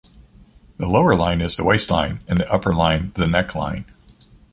The lower line is the waistline and the upper line the neckline.